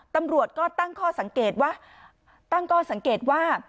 ตำรวจก็ตั้งข้อสังเกตว่า